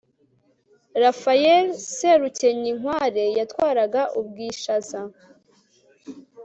rafaeli serukenyinkware yatwaraga ubwishaza